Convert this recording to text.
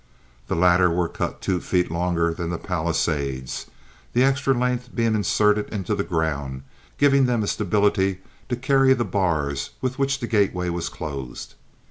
The latter were cut two feet longer than the palisades, the extra length being inserted in the ground, giving them a stability to carry the bars with which the gateway was closed.